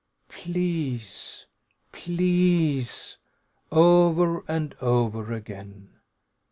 Please! Please!" over and over again.